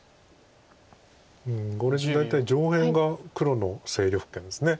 これで大体上辺が黒の勢力圏です。